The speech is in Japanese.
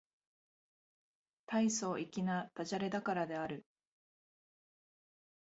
大層粋な駄洒落だからである